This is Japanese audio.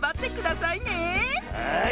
はい。